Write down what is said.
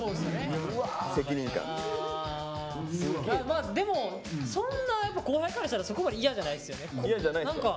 まあでもそんなやっぱ後輩からしたらそこまで嫌じゃないですよね何か。